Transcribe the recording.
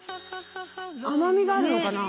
甘みがあるのかな？ね。